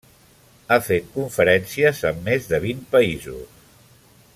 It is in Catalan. Ha fet conferències en més de vint països.